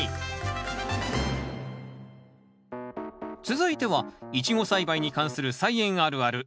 続いてはイチゴ栽培に関する「菜園あるある」。